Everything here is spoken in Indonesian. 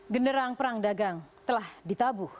genderang perang dagang telah ditabuh